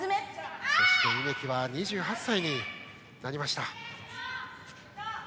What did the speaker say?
そして梅木は２８歳になりました。